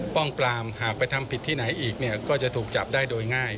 ป้องปรามหากไปทำผิดที่ไหนอีกเนี่ยก็จะถูกจับได้โดยง่าย